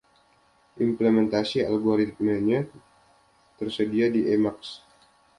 Implementasi algoritmenya tersedia di Emacs.